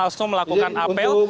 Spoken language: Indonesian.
langsung melakukan apel